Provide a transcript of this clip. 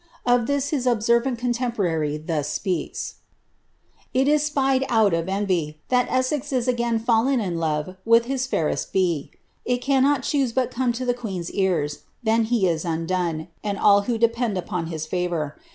Of this his observant contemporary thus speaks :—^ It is spied out of envy, that Essex is again fallen in love with his fiurest B ——. It cannot choose but come to the queen's ears, then he is undone, and all who depend upon his favour.